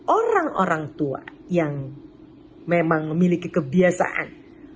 orang orang tua yang memang memiliki kebiasaan